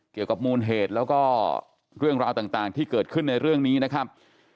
เกี่ยวกับมูลเหตุแล้วก็เรื่องราวต่างที่เกิดขึ้นในเรื่องนี้นะครับ